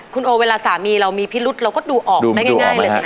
คุณโอเวลาสามีเรามีพิรุษเราก็ดูออกได้ง่ายเลยสิค